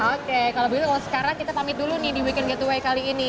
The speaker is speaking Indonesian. oke kalau begitu kalau sekarang kita pamit dulu nih di weekend gateway kali ini